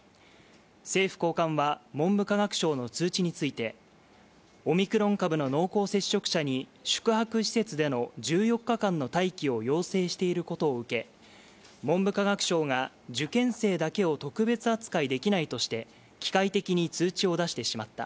政府高官は文部科学省の通知についてオミクロン株の濃厚接触者に宿泊施設での１４日間の待機を要請していることを受け文部科学省が受験生だけを特別扱いできないとして機械的に通知を出してしまった。